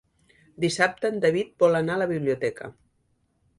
Dissabte en David vol anar a la biblioteca.